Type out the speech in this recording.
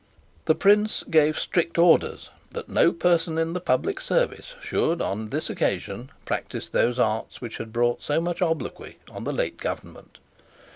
The Prince gave strict orders that no person in the public service should, on this occasion, practise those arts which had brought so much obloquy on the late government.